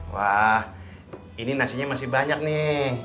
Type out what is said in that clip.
wah ini nasinya masih banyak nih